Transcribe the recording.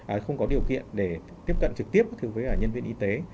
à không có điều kiện để tiếp cận trực tiếp với nhân viên y tế